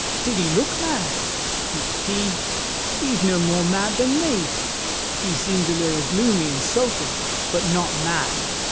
did he look mad?" "Not he! He's no more mad than me. He seemed a little gloomy and sulky—but not mad.